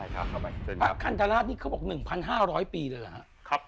พระคันธราชนี่เขาบอก๑๕๐๐ปีเลยเหรอฮะ